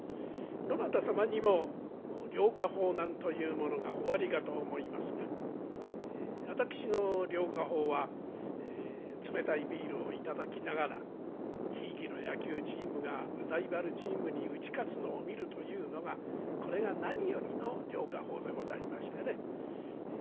どなた様にも涼化法なんというものがおありかと思いますが私の涼化法は冷たいビールを頂きながらひいきの野球チームがライバルチームに打ち勝つのを見るというのがこれが何よりの涼化法でございましてね。